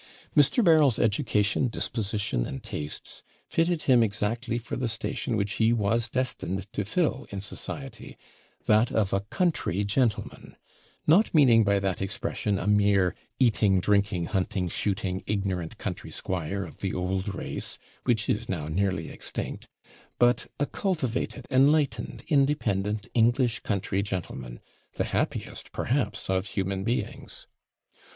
Mr. Berryl's education, disposition, and tastes, fitted him exactly for the station which he was destined to fill in society that of a COUNTRY GENTLEMAN; not meaning by that expression a mere eating, drinking, hunting, shooting, ignorant country squire of the old race, which is now nearly extinct; but a cultivated, enlightened, independent English country gentleman the happiest, perhaps, of human beings.